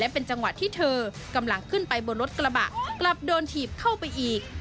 เป็นจังหวะที่เธอกำลังขึ้นไปบนรถกระบะกลับโดนถีบเข้าไปอีก